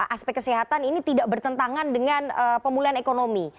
aspek kesehatan ini tidak bertentangan dengan pemulihan ekonomi